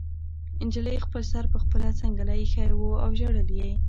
نجلۍ خپل سر په خپله څنګله ایښی و او ژړل یې